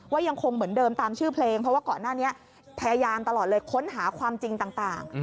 ยังคงเหมือนเดิมตามชื่อเพลงเพราะว่าก่อนหน้านี้พยายามตลอดเลยค้นหาความจริงต่าง